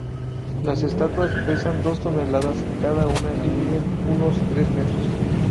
Las estatuas pesan dos toneladas cada una y miden unos tres metros.